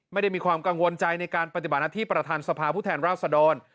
ไม่ได้มีความกังวลใจในการปฏิบัติหน้าที่ประธานสภาผู้แทนราชดร